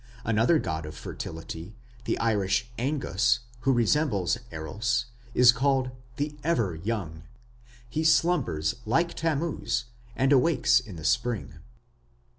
Another god of fertility, the Irish Angus, who resembles Eros, is called "the ever young"; he slumbers like Tammuz and awakes in the Spring.